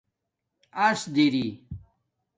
اَس درئ